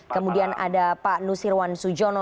kemudian ada pak nusirwan sujono